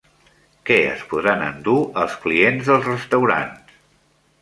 Què es podran endur els clients dels restaurants?